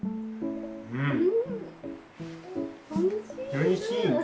おいしい。